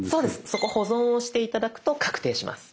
そこ保存を押して頂くと確定します。